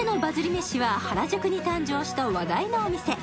めしは原宿に誕生した話題のお店。